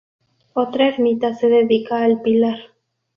Otra ermita se dedica al Pilar.